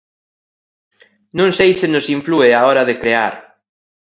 Non sei se nos inflúe á hora de crear.